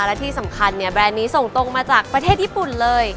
และที่สำคัญเนี่ยแบรนด์นี้ส่งตรงมาจากประเทศญี่ปุ่นเลย